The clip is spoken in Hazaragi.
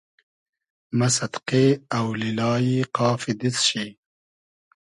مۂ سئدقې اۆلیلای قافی دیست شی